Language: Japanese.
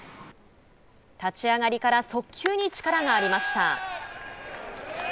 立ち上がりから速球に力がありました。